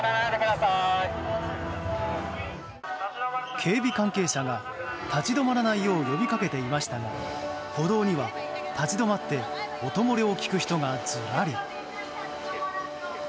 警備関係者が立ち止まらないよう呼びかけていましたが歩道には、立ち止まって音漏れを聴く人がずらり。